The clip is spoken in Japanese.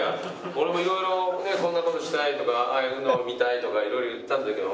俺もいろいろこんな事したいとかああいうの見たいとかいろいろ言ったんだけど。